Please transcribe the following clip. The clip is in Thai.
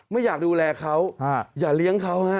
ไม่อยากดูแลเขาอย่าเลี้ยงเขาฮะ